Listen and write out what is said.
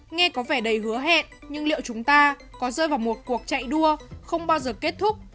nghe có vẻ đầy hứa hẹn nhưng liệu chúng ta có rơi vào một cuộc chạy đua không bao giờ kết thúc